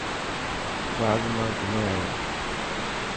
باغ مان گھمي آيا؟